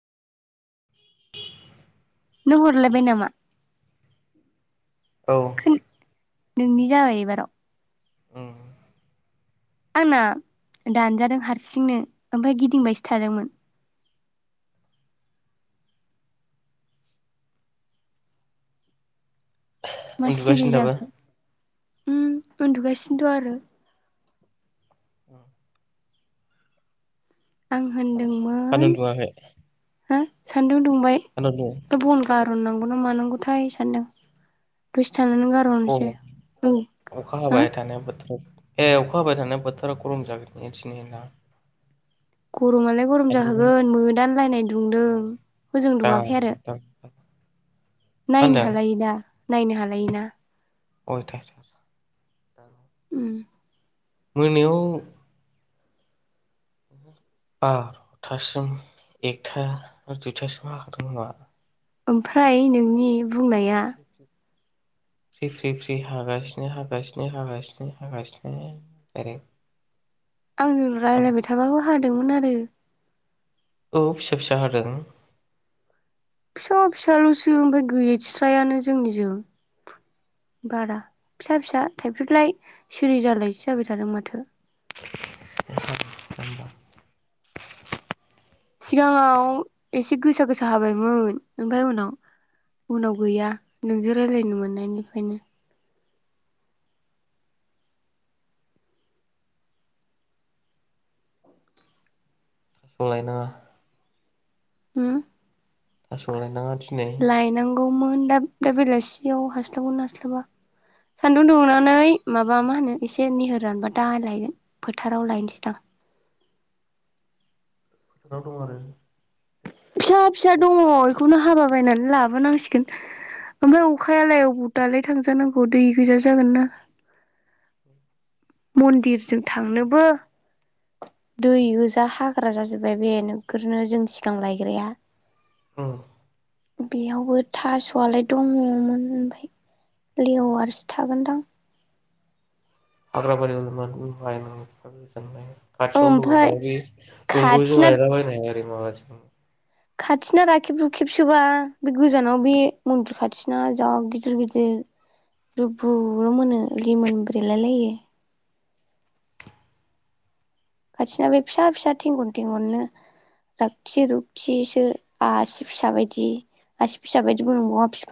[inaudible] नों हरलायबाय नामा? औ खोन नोंनि जाबाय एबाराव आंना दानजादों हारसिंनो ओमफ्राय गिदिंबायसो थादोंमोन। मा सिरि उन्दुगासिनो दाबो जाखो? उम उन्दुगासिनो थ आरो आं होन सान्दुं दुङाखै सान्दुं दुंबाय सान्दुं दुं द बन गारन नांगौ मानांगौथाय सानदों गोस साननानै गारहरनिसै‌ गरम औ अखा हो हाबाय थानाय बोथोराव ए अखा हाबाय थानाय बोथोरा गरम जागोन इदिनो ना? गरमालाय गरम सान्दुं जाखागोन मोदानलायनाय दुंदों होजों दा दुङाखै आरो दा मा नायनो होनदों हालायि दा नायनो हालायि ना अयथासार उम मोनायाव बार'थासिम एकथा दुइथासिम हाखादों नामा ओमफ्राय नोंनि बुंनाया फ्रि फ्रि फ्रि हागासिनो हागासिनो हागासिनो हागासिनो एरै आंजों रायलायबा थाबाबो हा दोंमोन आरो औ फिसा फिसा हादों एथ' फिसालसो ओमफ्राय गैस्रायानो जोंनिजों बारा फिसा फिसा थाइफ्रिलाय सिरि जालायसो जाबाय थादों माथो [unintelligible] सिगाङाव एसे गोसा गोसा हाबायमोन ओमफ्राय उनाव उनाव गैया नोंजों रायलायनो मोननायनिफ्रायनो संलायनाङा उम थास' लायनाङा दिनै लायनांगौमोन दा दा बेलासियाव हास्लाबोन हास्लाबा सान्दुं दुंनानै माबा मा होनो एसे निहोर रानबा दा लायगोन फोथाराव लायनोसै दां फोथाराव दं आरो फिसा फिसा दङ बेखौनो हाबा बायनानै लाबोनांसिगोन ओमफ्राय अखायालाय‌ अबाव दालाय थांजानांगौ दै गैजा जागोन ना मन्दिरजों थांनोबो दै गोजा हाग्रा जाजोबबाय बे नोगोरनो जों सिगां लायग्राया औ बेयावबो थास'आलाय दङमोन ओमफ्राय लेवारसो थागोनदां हाग्रााबारियाव [unintelligible] खाथियावनो ओमफाय दङोबा ओरै दंग'जों खाथिना लायलाबायनो हाया ओरै माबादि खाथिना राखेबा रूखेबसोबा बे गोजानाव बे मन्दिर खाथिना जा गिदिर गिदिर रबुल मोनो लिमोन ब्रेलायलायो खाथिना बे फिसा फिसा थेंगन थेंगननो रागथि रुखथिसो आसि फिसा बायदि आसि फिसा बायदिबो नंबावा फि